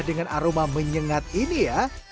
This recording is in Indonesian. dengan aroma menyengat ini ya